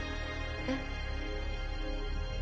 えっ？